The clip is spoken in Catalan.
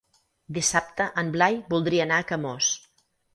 Dissabte en Blai voldria anar a Camós.